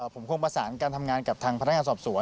ผมคงประสานการทำงานกับทางพนักงานสอบสวน